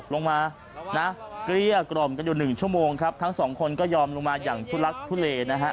เรียกกล่อมกันอยู่๑ชั่วโมงครับทั้งสองคนก็ยอมลงมาอย่างคุณรักคุณเลนะฮะ